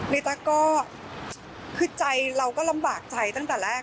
ในตั๊กก็คือใจเราก็ลำบากใจตั้งแต่แรก